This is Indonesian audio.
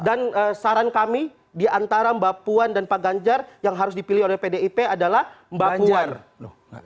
dan saran kami diantara mbak puan dan pak ganjar yang harus dipilih oleh pdip adalah mbak